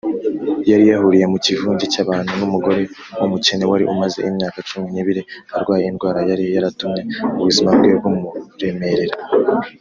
yari yahuriye mu kivunge cy’abantu n’umugore w’umukene wari umaze imyaka cumi n’ibiri arwaye indwara yari yaratumye ubuzima bwe bumuremerera